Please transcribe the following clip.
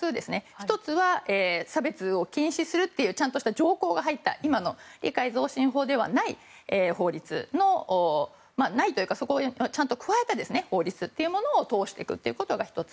１つは、差別を禁止するというちゃんとした条項が入った今の理解増進法ではない法律ないというかちゃんと加えた法律というのを通していくということが１つ。